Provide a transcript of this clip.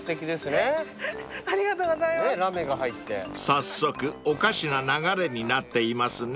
［早速おかしな流れになっていますね］